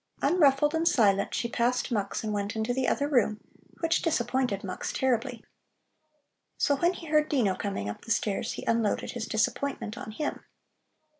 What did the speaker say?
Unruffled and silent, she passed Mux and went into the other room, which disappointed Mux terribly. So when he heard Dino coming up the stairs, he unloaded his disappointment on him.